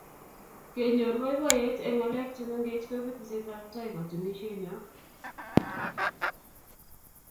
kenyoor boiboiyeet eng ngalek che mengeech koibu tesetab taai katunisienyoo